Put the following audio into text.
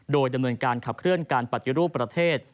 โดยดำเนินการขับเคลื่อนการปฏิรูปประเทศ